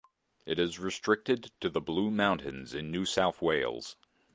It is restricted to the Blue Mountains in New South Wales.